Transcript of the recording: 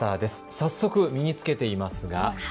早速、身につけていますが。